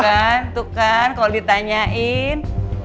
tuh kan tuh kan kalau ditanyain